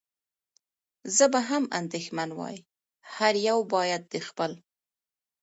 زه به هم اندېښمن وای، هر یو باید د خپل.